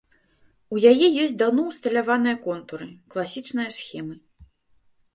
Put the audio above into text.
У яе ёсць даўно ўсталяваныя контуры, класічныя схемы.